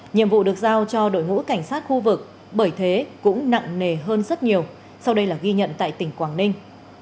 nhiệm vụ được giao cho đội ngũ cảnh sát khu vực bởi thế cũng nặng nề hơn rất nhiều sau đây là ghi nhận tại tỉnh quảng ninh